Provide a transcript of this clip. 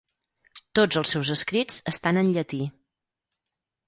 Tots els seus escrits estan en llatí.